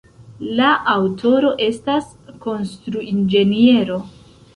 La aŭtoro estas konstruinĝeniero.